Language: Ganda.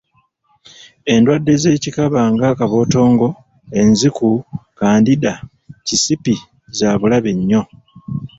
Endwadde z’ekikaba nga kabootongo, enziku, kandida, kisipi za bulabe nnyo.